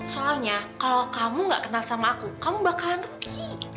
soalnya kalau kamu gak kenal sama aku kamu bakalan